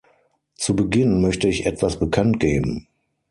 Zu Beginn möchte ich etwas bekannt geben.